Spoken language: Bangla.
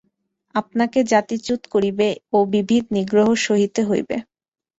আপনাকে জাতিচ্যুত করিবে ও বিবিধ নিগ্রহ সহিতে হইবে।